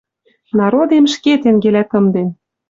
Народем ӹшке тенгелӓ тымден